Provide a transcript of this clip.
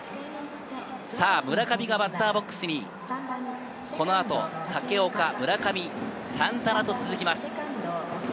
村上がバッターボックスにこの後、武岡、村上、サンタナと続きます。